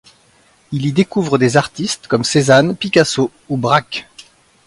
Il y découvre des artistes comme Cézanne, Picasso ou Braque.